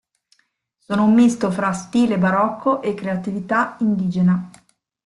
Sono un misto fra stile barocco e creatività indigena.